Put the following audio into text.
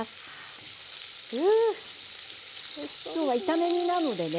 今日は炒め煮なのでね